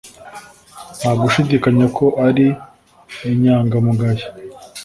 Nta gushidikanya ko ari inyangamugayo